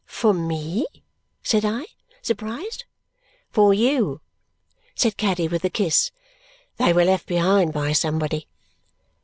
"For me?" said I, surprised. "For you," said Caddy with a kiss. "They were left behind by somebody."